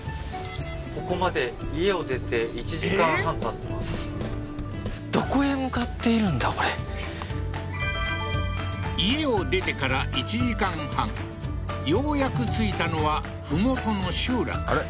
ここまで家を出て１時間半たってます家を出てから１時間半ようやく着いたのは麓の集落あれ？